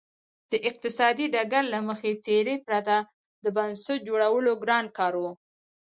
د اقتصادي ډګر له مخکښې څېرې پرته د بنسټ جوړول ګران کار و.